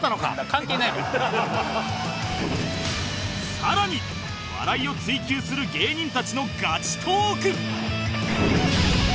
更に笑いを追求する芸人たちのガチトーク